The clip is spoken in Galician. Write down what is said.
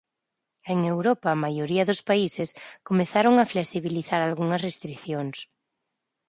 En Europa, a maioría dos países comezaron a flexibilizar algunhas restricións.